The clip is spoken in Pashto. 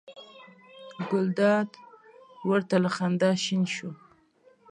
ګلداد ور ته له خندا شین شو.